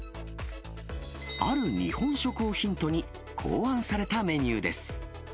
ある日本食をヒントに考案されたメニューです。